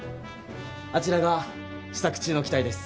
あちらが試作中の機体です。